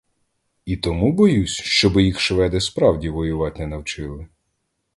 І тому боюсь, щоби їх шведи справді воювать не навчили?